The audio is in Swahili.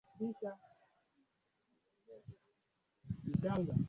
Kibantu Kiingereza na wengine walitumia Kilatini Hii